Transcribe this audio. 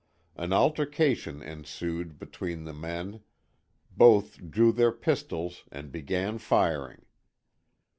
An altercation ensued between the men, both drew their pistols and began firing.